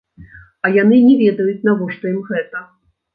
А яны не ведаюць, навошта ім гэта.